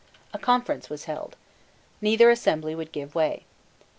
A conference was held. Neither assembly would give way.